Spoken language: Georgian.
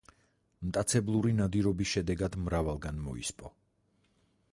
მტაცებლური ნადირობის შედეგად მრავალგან მოისპო.